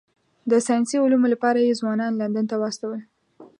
د ساینسي علومو لپاره یې ځوانان لندن ته واستول.